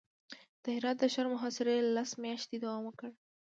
د هرات د ښار محاصرې لس میاشتې دوام وکړ.